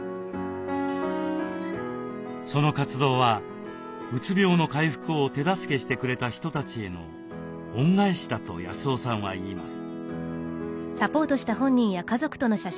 その活動はうつ病の回復を手助けしてくれた人たちへの恩返しだと康雄さんは言います。